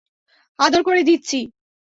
আদর করে দিচ্ছি।